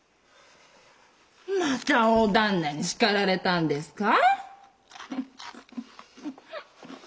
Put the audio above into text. また大旦那に叱られたんですか？